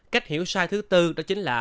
cách hiểu sai thứ bốn đó chính là